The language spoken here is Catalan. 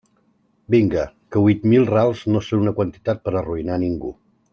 Vinga, que huit mil rals no són una quantitat per a arruïnar a ningú.